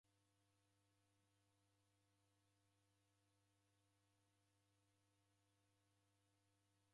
Wazighana seji w'andu w'aw'iapata w'asi kwa w'undu ghwa njala.